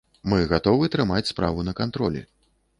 Мы гатовы трымаць справу на кантролі.